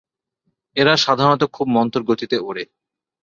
এরা সাধারনত খুব মন্থর গতিতে ওড়ে।